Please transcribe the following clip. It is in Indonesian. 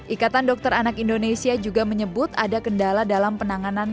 ikatan dokter anak indonesia juga menyebut ada kendala dalam penanganan